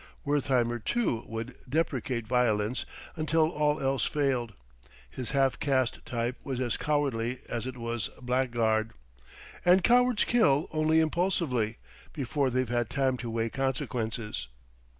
Wertheimer, too, would deprecate violence until all else failed; his half caste type was as cowardly as it was blackguard; and cowards kill only impulsively, before they've had time to weigh consequences.